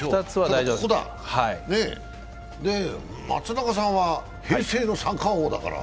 松中さんは平成の三冠王だから。